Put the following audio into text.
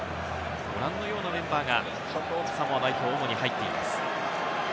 ご覧のようなメンバーがサモア代表に主に入っています。